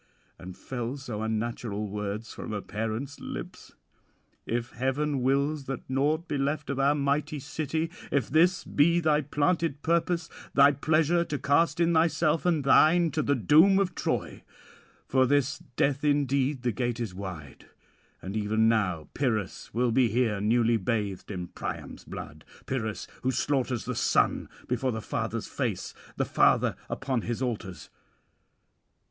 and fell so unnatural words from a parent's lips? "If heaven wills that naught be left of our mighty city, if this be thy planted purpose, thy pleasure to cast in thyself and thine to the doom of Troy; for this death indeed the gate is wide, and even now Pyrrhus will be here newly bathed in Priam's [663 695]blood, Pyrrhus who slaughters the son before the father's face, the father upon his altars.